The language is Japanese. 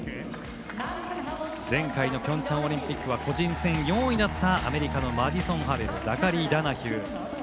前回のピョンチャンオリンピック個人戦４位だったアメリカのマディソン・ハベルザカリー・ダナヒュー。